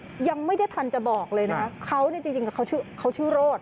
คือยังไม่ได้ทันจะบอกเลยนะฮะเขาจริงเขาชื่อโรธ